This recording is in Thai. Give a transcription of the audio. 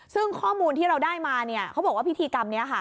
ซึ่งข้อมูลที่เราได้มาเขาบอกว่าพิธีกรรมนี้